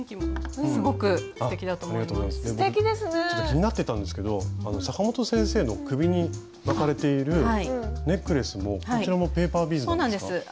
ちょっと気になってたんですけどサカモト先生の首に巻かれているネックレスもこちらもペーパービーズなんですか？